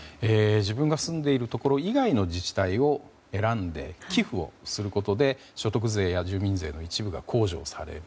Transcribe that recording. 自分が住んでいるところ以外の自治体を選んで、寄付をすることで所得税や住民税の一部が控除される。